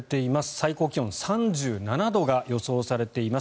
最高気温３７度が予想されています